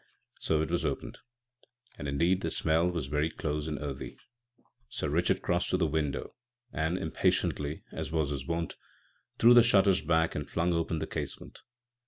So it was opened, and, indeed, the smell was very close and earthy. Sir Richard crossed to the window, and, impatiently, as was his wont, threw the shutters back, and flung open the casement.